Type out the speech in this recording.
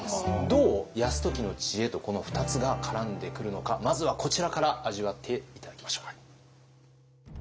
どう泰時の知恵とこの２つが絡んでくるのかまずはこちらから味わって頂きましょう。